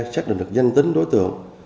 xác định được danh tính đối tượng